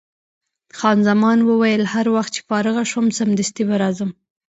خان زمان وویل: هر وخت چې فارغه شوم، سمدستي به راځم.